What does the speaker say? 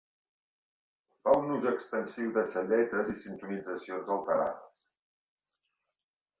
Fa un ús extensiu de celletes i sintonitzacions alterades.